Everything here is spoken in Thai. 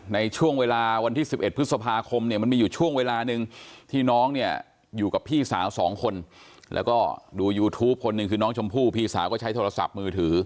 ในช่วงเวลาวันที่๑๑พฤษภาคมเนี่ยมันมีอยู่ช่วงเวลาหนึ่งที่น้องเนี่ยอยู่กับพี่สาวสองคนแล้วก็ดูยูทูปคนหนึ่งคือน้องชมพู่พี่สาวก็ใช้โทรศัพท์มือถือ